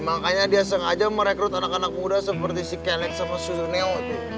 makanya dia sengaja merekrut anak anak muda seperti si kenek sama susuneo